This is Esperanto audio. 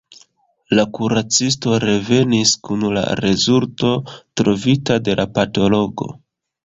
La kuracisto revenis kun la rezulto trovita de la patologo.